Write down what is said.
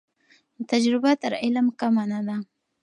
تجربه تر علم کمه نه ده.